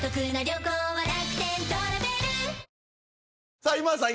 さあ今田さん